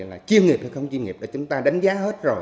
là chuyên nghiệp hay không chuyên nghiệp là chúng ta đánh giá hết rồi